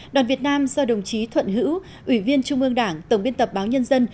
đoàn việt nam do đồng chí thuận hữu ủy viên trung ương đảng tổng biên tập báo nhân dân